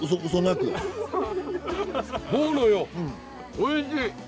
おいしい！